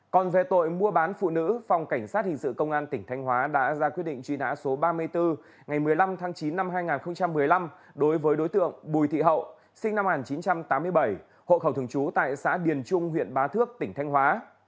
còn về tội mua bán phụ nữ phòng cảnh sát hình sự công an tỉnh thanh hóa đã ra quyết định truy nã số ba mươi bốn ngày một mươi năm tháng chín năm hai nghìn một mươi năm đối với đối tượng bùi thị hậu sinh năm một nghìn chín trăm tám mươi bảy hộ khẩu thường trú tại xã điền trung huyện bá thước tỉnh thanh hóa